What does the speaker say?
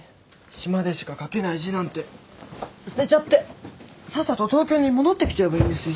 島でしか書けない字なんて捨てちゃってさっさと東京に戻ってきちゃえばいいんですよ。